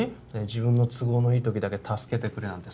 自分の都合のいい時だけ助けてくれなんて